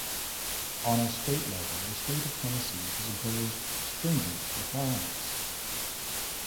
On a state level, the State of Tennessee has imposed stringent requirements.